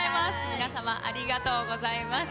皆様ありがとうございます。